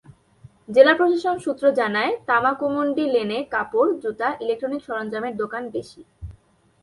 জেলা প্রশাসন সূত্র জানায়, তামাকুমণ্ডি লেনে কাপড়, জুতা, ইলেকট্রনিক সরঞ্জামের দোকান বেশি।